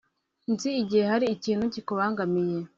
Nzi igihe hari ikintu kikubangamiye